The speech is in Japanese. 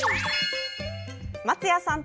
松谷さん